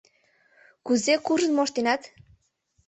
Кузе куржын моштенат?